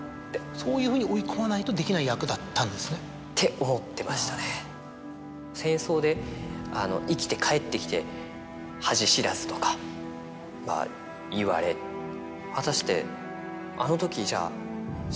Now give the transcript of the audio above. そういうふうに追い込まないとできない役だったんですね？って思ってましたね。とか言われ果たしてあの時じゃあ。